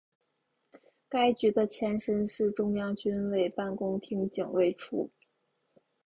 该局的前身是中央军委办公厅警卫处。